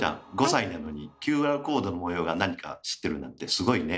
５歳なのにＱＲコードの模様が何か知ってるなんてすごいね。